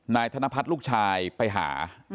ธนพัฒน์ลูกชายไปหา